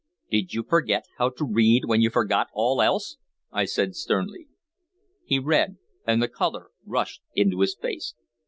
"Did you forget how to read when you forgot all else?" I said sternly. He read, and the color rushed into his face.